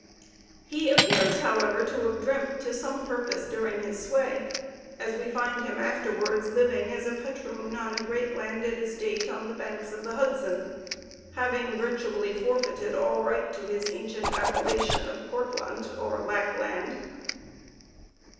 He appears, however, to have dreamt to some purpose during his sway, as we find him afterwards living as a patroon on a great landed estate on the banks of the Hudson, having virtually forfeited all right to his ancient appellation of Kortlandt, or Lackland.